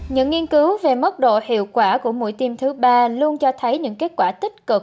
những nghiên cứu về mốc độ hiệu quả của mũi tiêm thứ ba luôn cho thấy những kết quả tích cực